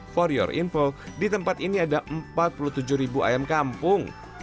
for your info di tempat ini ada empat puluh tujuh ribu ayam kampung